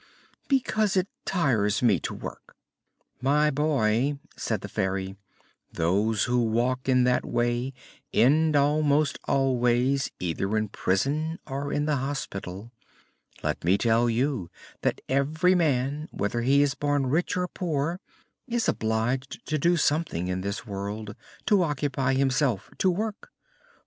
"Because it tires me to work." "My boy," said the Fairy, "those who talk in that way end almost always either in prison or in the hospital. Let me tell you that every man, whether he is born rich or poor, is obliged to do something in this world to occupy himself, to work.